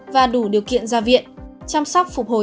và đủ điều kiện ra viện chăm sóc phục hồi